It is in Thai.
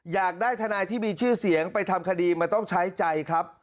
อยากได้ทนายที่มีชื่อเสียงไปทำคดีมันต้องใช้ใจครับ